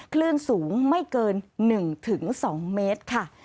คลื่นสูงไม่เกิน๑๒เมตรค่ะ